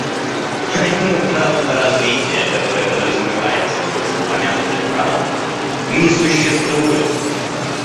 Поэтому право на развитие, которое подразумевается в вышеупомянутых правах, не существует.